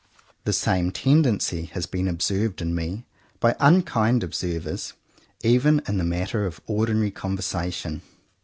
The same tenden cy has been observed in me by unkind observers, even in the matter of ordinary conversation.